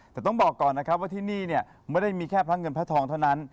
แต่ต้องบอกก่อนนะครับว่าที่นี่เนี่ยไม่ได้มีแค่พระเงินพระทองเท่านั้น